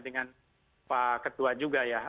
dengan pak ketua juga ya